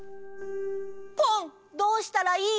ポンどうしたらいい？